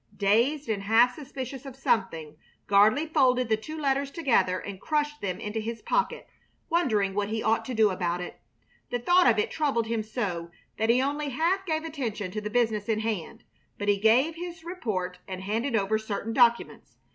Dazed and half suspicious of something, Gardley folded the two letters together and crushed them into his pocket, wondering what he ought to do about it. The thought of it troubled him so that he only half gave attention to the business in hand; but he gave his report and handed over certain documents.